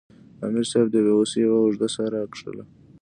امیر صېب د بې وسۍ یوه اوږده ساه راښکله